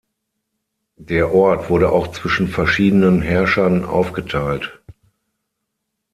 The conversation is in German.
Der Ort wurde auch zwischen verschiedenen Herrschern aufgeteilt.